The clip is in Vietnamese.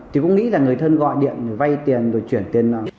thì cũng nghĩ là người thân gọi điện vay tiền rồi chuyển tiền